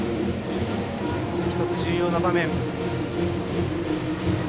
１つ重要な場面。